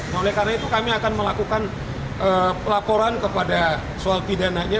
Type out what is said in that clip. nah oleh karena itu kami akan melakukan pelaporan kepada soal pidananya